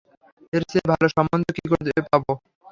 এর চেয়ে ভালো সম্বন্ধ কী করে পাবো?